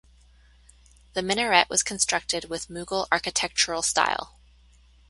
The minaret was constructed with Mughal architectural style.